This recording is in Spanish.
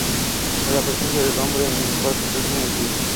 La presencia del hombre en el parque es muy antigua.